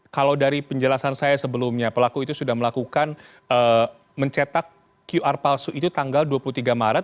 kalau dari penjelasan saya sebelumnya pelaku itu sudah melakukan mencetak qr palsu itu tanggal dua puluh tiga maret